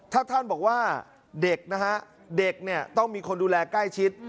ถ้าท่านบอกว่าเด็กนะฮะเด็กเนี่ยต้องมีคนดูแลใกล้ชิด